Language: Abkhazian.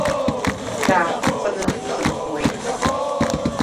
Даахырхәаны дхынҳәуеит.